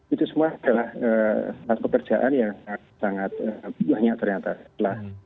itu semua adalah hal pekerjaan yang sangat banyak ternyata